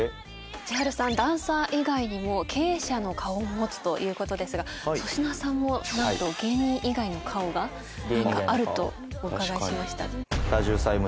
ｃｈｉｈａｒｕさんダンサー以外にも経営者の顔を持つということですが粗品さんも何と芸人以外の顔があるとお伺いしました。